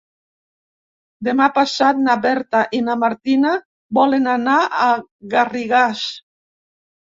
Demà passat na Berta i na Martina volen anar a Garrigàs.